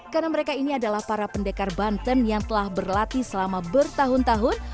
karena mereka ini adalah para pendekar banten yang telah berlatih selama bertahun tahun